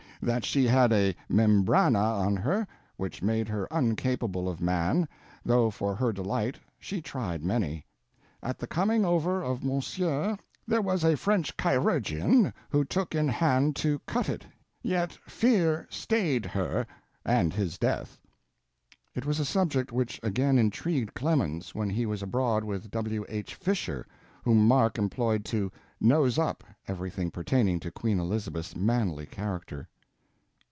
That she had a membrana on her, which made her uncapable of man, though for her delight she tried many. At the coming over of Monsieur, there was a French Chirurgion who took in hand to cut it, yett fear stayed her, and his death." It was a subject which again intrigued Clemens when he was abroad with W. H. Fisher, whom Mark employed to "nose up" everything pertaining to Queen Elizabeth's manly character.